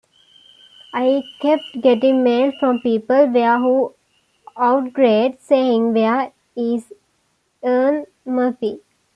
I kept getting mail from people were who outraged, saying, 'Where is Erin Murphy?